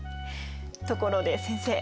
ところで先生。